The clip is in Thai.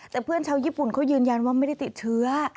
แต่เพื่อนชาวญี่ปุ่นเขายืนยันว่าไม่ได้ติดเชื้อ